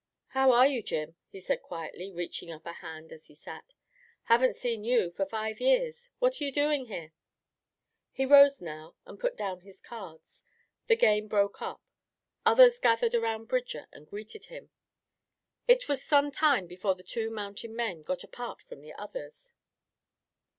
"How are you, Jim?" he said quietly, reaching up a hand as he sat. "Haven't seen you for five years. What are you doing here?" He rose now and put down his cards. The game broke up. Others gathered around Bridger and greeted him. It was some time before the two mountain men got apart from the others.